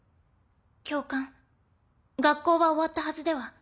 教官学校は終わったはずでは？